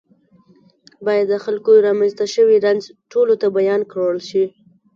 باید د خلکو رامنځته شوی رنځ ټولو ته بیان کړل شي.